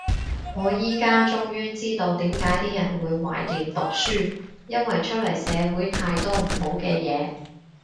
我依家終於知道點解啲人會懷念讀書，因為出嚟社會太多唔好嘅嘢